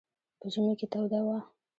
په ژمي کې توده وه.